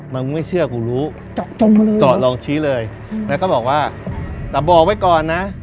มึงไม่เชื่อกูรู้เจาะจงมาเลยจอดลองชี้เลยแล้วก็บอกว่าแต่บอกไว้ก่อนนะ